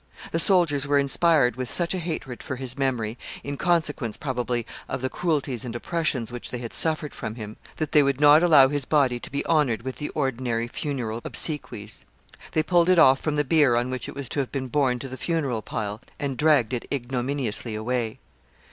The soldiers were inspired with such a hatred for his memory, in consequence, probably, of the cruelties and oppressions which they had suffered from him, that they would not allow his body to be honored with the ordinary funeral obsequies. They pulled it off from the bier on which it was to have been borne to the funeral pile, and dragged it ignominiously away.